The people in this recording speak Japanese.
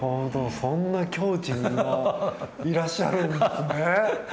そんな境地に今はいらっしゃるんですね。